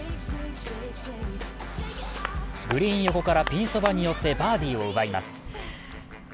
グリーン横からピンそばに寄せバーディーを奪います。